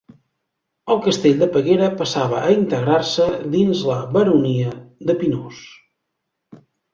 El castell de Peguera passava a integrar-se dins la baronia de Pinós.